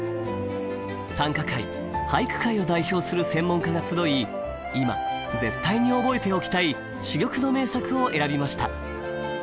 短歌界俳句界を代表する専門家が集い今絶対に覚えておきたい珠玉の名作を選びました。